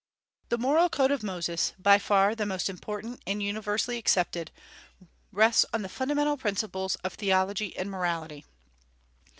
The moral code of Moses, by far the most important and universally accepted, rests on the fundamental principles of theology and morality.